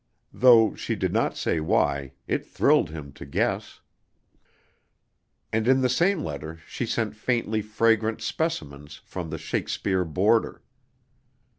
Though she did not say why, it thrilled him to guess. And in the same letter she sent faintly fragrant specimens from the "Shakespeare border."